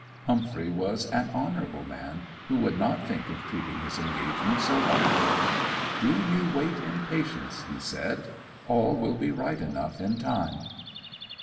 Humphrey was an honourable man, who would not think of treating his engagement so lightly. 'Do you wait in patience,' he said; 'all will be right enough in time.